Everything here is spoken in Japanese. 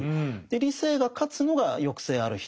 理性が勝つのが抑制ある人